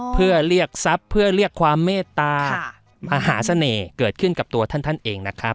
เพื่อเรียกทรัพย์เพื่อเรียกความเมตตามหาเสน่ห์เกิดขึ้นกับตัวท่านท่านเองนะครับ